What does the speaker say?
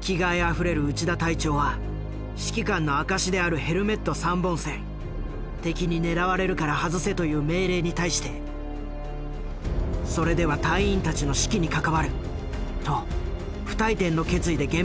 気概あふれる内田隊長は指揮官の証しであるヘルメット３本線「敵に狙われるから外せ」という命令に対してそれでは隊員たちの士気に関わると不退転の決意で現場に臨んでいた。